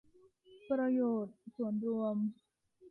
ประโยชน์ส่วนรวม